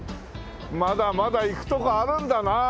まだまだ行くとこあるんだなあ。